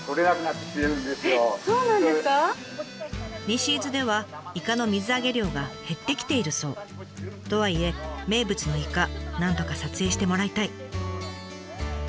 西伊豆ではイカの水揚げ量が減ってきているそう。とはいえ名物のイカなんとか撮影してもらいたい。